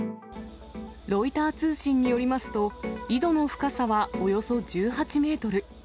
ロイター通信によりますと、井戸の深さはおよそ１８メートル。